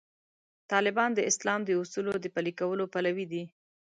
طالبان د اسلام د اصولو د پلي کولو پلوي دي.